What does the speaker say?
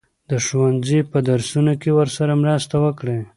د ښوونځي په درسونو کې ورسره مرسته وکړئ.